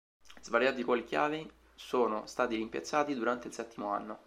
Svariati ruoli chiavi sono stati rimpiazzati durante il settimo anno.